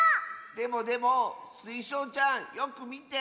でもでもスイショウちゃんよくみて！